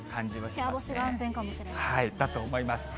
部屋干しが安全かもしれないだと思います。